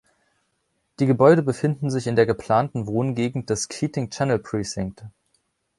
Die Gebäude befinden sich in der geplanten Wohngegend des Keating Channel Precinct.